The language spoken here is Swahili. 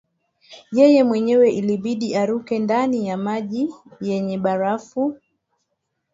yeye mwenyewe ilibidi aruke ndani ya maji yenye barafu